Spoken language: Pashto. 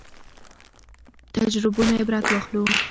تجربو نه عبرت واخلو